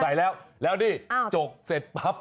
ใส่แล้วแล้วนี่จกเสร็จปั๊บ